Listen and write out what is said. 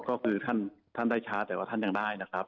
ก็คือท่านได้ช้าแต่ว่าท่านยังได้นะครับ